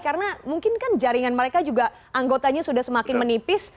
karena mungkin kan jaringan mereka juga anggotanya sudah semakin menipis